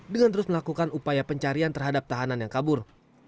dengan terus melakukan upaya pencarian terhadap tahanan yang kabur